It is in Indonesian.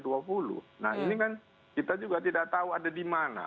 nah ini kan kita juga tidak tahu ada di mana